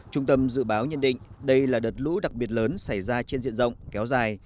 trung tâm dự báo nhận định đây là đợt lũ đặc biệt lớn xảy ra trên diện rộng kéo dài